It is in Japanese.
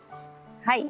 はい。